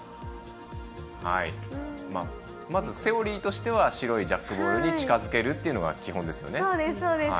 まずセオリーとしては白いジャックボールに近づけるのが基本ですよね。